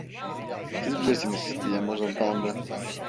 "Siz bilirsiniz" diye mırıldandı.